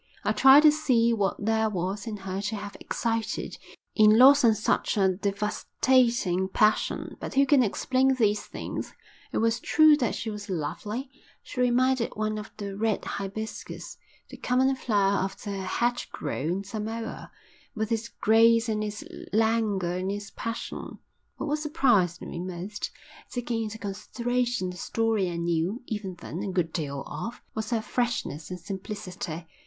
I tried to see what there was in her to have excited in Lawson such a devastating passion. But who can explain these things? It was true that she was lovely; she reminded one of the red hibiscus, the common flower of the hedgerow in Samoa, with its grace and its languor and its passion; but what surprised me most, taking into consideration the story I knew even then a good deal of, was her freshness and simplicity.